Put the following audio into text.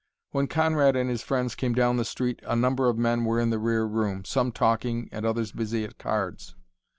When Conrad and his friends came down the street a number of men were in the rear room, some talking and others busy at cards.